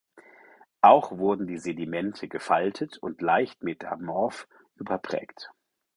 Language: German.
Auch wurden die Sedimente gefaltet und leicht metamorph überprägt.